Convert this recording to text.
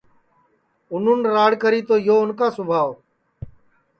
اُنون راڑ کری تو یو اُن کا سوبھاو